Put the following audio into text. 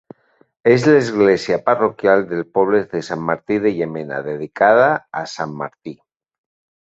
És l'església parroquial del poble de Sant Martí de Llémena, dedicada a Sant Martí.